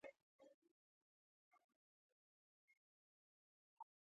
د دولت تر کنټرول لاندې وو.